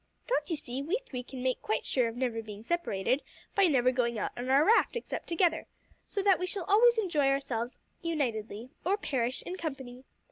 Don't you see, we three can make quite sure of never being separated by never going out on our raft except together, so that we shall always enjoy ourselves unitedly, or perish in company.